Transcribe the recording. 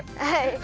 はい。